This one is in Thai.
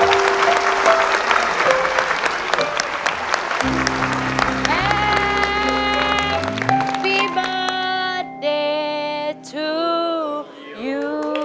แปปปีเบอร์เดตทูยู